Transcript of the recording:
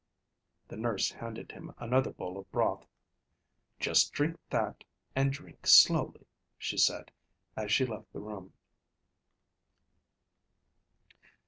The nurse handed him another bowl of broth. "Just drink that, and drink slowly," she said, as she left the room.